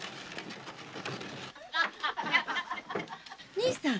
兄さん！